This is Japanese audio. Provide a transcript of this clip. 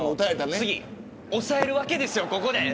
抑えるわけですよ、ここで。